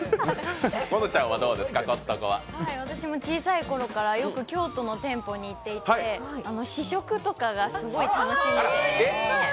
私も小さいころからよく京都の店舗に行っていて試食とかがすごい楽しみで。